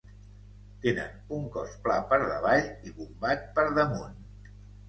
Tenen un cos pla per davall i bombat per damunt.